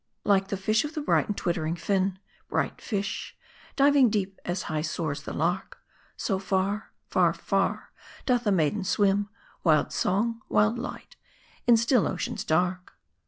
Like the fish of the bright and twittering fin, Bright fish ! diving deep as high soars the lark, So, far, far, far, doth the maiden swim, Wild song, wild light, hi still ocean's dark.